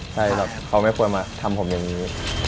ใช่แบบเขาไม่ควรมาทำผมอย่างนี้